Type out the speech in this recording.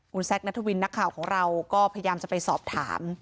คุณแซคนัทวินนักข่าวของเราก็พยายามจะไปสอบถาม